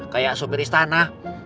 kayak asumir istana